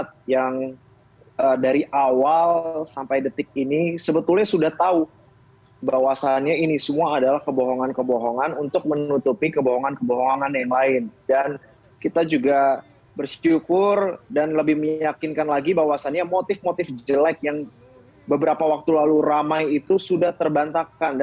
bagaimana tanggapan anda setelah status dari pc ini sekarang menjadi tersangka